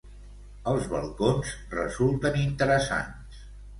Els balcons resulten interessants.